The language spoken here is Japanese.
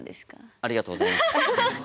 ありがとうございます。